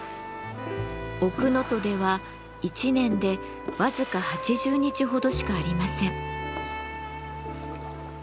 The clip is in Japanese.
奥能登では１年で僅か８０日ほどしかありません。